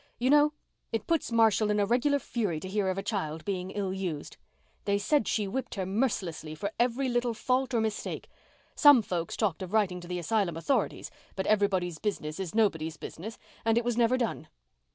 You know, it puts Marshall in a regular fury to hear of a child being ill used. They said she whipped her mercilessly for every little fault or mistake. Some folks talked of writing to the asylum authorities but everybody's business is nobody's business and it was never done."